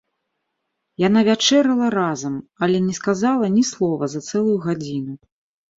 Яна вячэрала разам, але не сказала ні слова за цэлую гадзіну.